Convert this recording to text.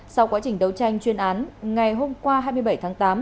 sau quá trình đấu tranh chuyên án ngày hôm qua hai mươi bảy tháng tám